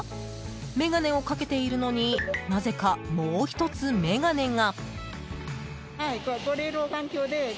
眼鏡をかけているのになぜかもう１つ、眼鏡が。